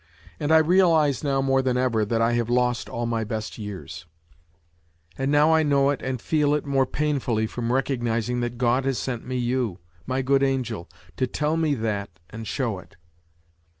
" And I realize now, more than ever, that I have lost all my best years ! And now I know it and feel it more painfully from recognizing that God has sent me you, my good angel, to tell me that and show it.